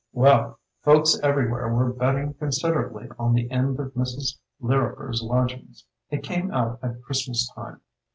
"Well, folks everywhere were bet ting considerably on the end of 'Mrs. Lirriper's Lodgings'. It came out at Christmas time.